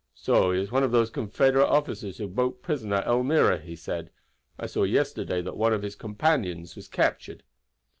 "So he is one of those Confederate officers who broke prison at Elmira," he said. "I saw yesterday that one of his companions was captured."